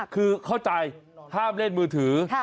คือเข้าใจห้ามเล่นมือถือ